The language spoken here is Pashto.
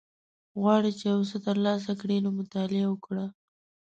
غواړی چی یوڅه تر لاسه کړی نو مطالعه وکړه